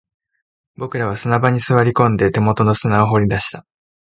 僕らは砂場に座り込んで、手元の砂を掘り出した